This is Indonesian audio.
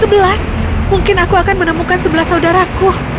mungkin aku akan menemukan sebelas saudaraku